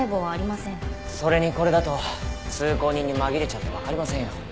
それにこれだと通行人に紛れちゃってわかりませんよ。